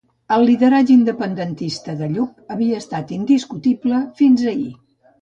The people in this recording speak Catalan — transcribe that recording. El lideratge independentista de Lluc havia estat indiscutible fins ahir.